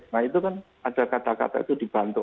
nah itu kan ada kata kata itu dibantu